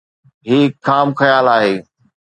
هي هڪ خام خيال آهي.